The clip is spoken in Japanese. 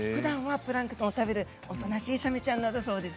プランクトンを食べるおとなしいサメちゃんなんだそうです。